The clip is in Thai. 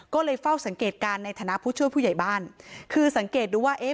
ก็เลยเฝ้าสังเกตการณ์ในฐานะผู้ช่วยผู้ใหญ่บ้านคือสังเกตดูว่าเอ๊ะ